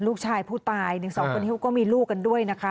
ลูกชายผู้ตาย๑๒คนก็มีลูกกันด้วยนะคะ